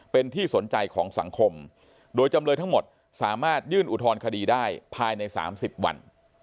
เป็นที่สนใจของสังคมโดยจำเลยทั้งหมดสามารถยื่นอุทธรณคดีได้ภายใน๓๐วัน